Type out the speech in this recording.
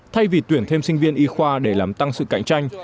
thay vì tuyển thêm sinh viên y khoa để làm tăng sự cạnh tranh